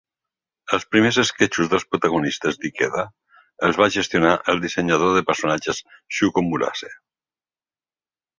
Els primers esquetxos dels protagonistes d'Ikeda els va gestionar el dissenyador de personatges Shuko Murase.